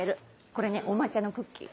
これねお抹茶のクッキー。